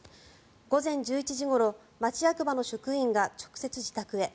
午前１１時ごろ、町役場の職員が直接、自宅へ。